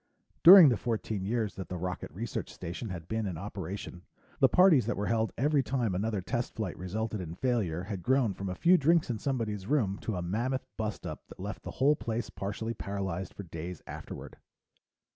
During the fourteen years that the Rocket Research Station had been in operation, the parties that were held every time another test flight resulted in failure had grown from a few drinks in somebody's room to a mammoth bust up that left the whole place partially paralyzed for days afterward.